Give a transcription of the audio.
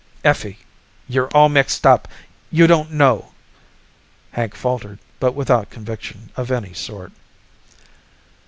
"Effie, you're all mixed up. You don't know " Hank faltered, but without conviction of any sort.